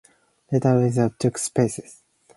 Later retailers took spaces.